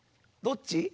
どっち？